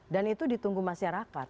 dan itu ditunggu masyarakat